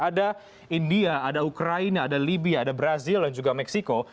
ada india ada ukraina ada libya ada brazil dan juga meksiko